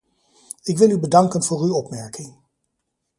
Ik wil u bedanken voor uw opmerking.